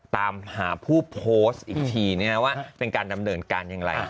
ตามหาผู้โพสต์อีกทีว่าเป็นการดำเนินการอย่างไร